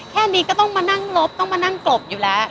แค่นี้ก็ต้องมานั่งลบต้องมานั่งกลบอยู่แล้ว